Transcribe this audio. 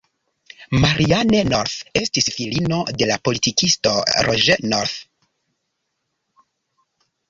Marianne North estis filino de la politikisto Roger North.